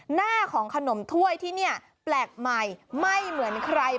หน้าของขนมถ้วยที่นี่แปลกใหม่ไม่เหมือนใคร